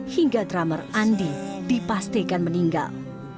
hingga drummer andi dipastikan meninggal